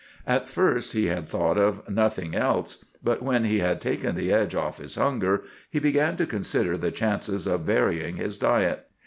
At first he had thought of nothing else; but when he had taken the edge off his hunger, he began to consider the chances of varying his diet.